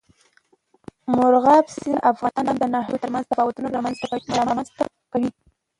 مورغاب سیند د افغانستان د ناحیو ترمنځ تفاوتونه رامنځ ته کوي.